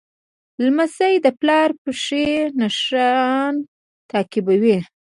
لمسی د پلار پښې نښان تعقیبوي.